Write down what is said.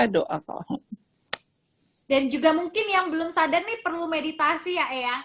dan juga mungkin yang belum sadar nih perlu meditasi ya eyang